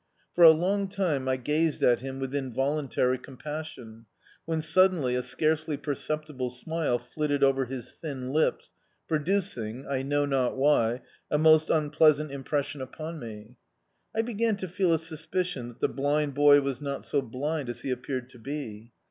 For a long time I gazed at him with involuntary compassion, when suddenly a scarcely perceptible smile flitted over his thin lips, producing, I know not why, a most unpleasant impression upon me. I began to feel a suspicion that the blind boy was not so blind as he appeared to be.